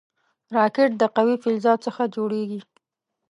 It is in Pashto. راکټ د قوي فلزاتو څخه جوړېږي